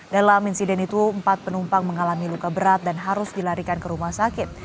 dalam insiden itu empat penumpang mengalami luka berat dan harus dilarikan ke rumah sakit